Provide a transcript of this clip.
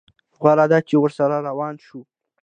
غوره ده چې ورسره روان شو.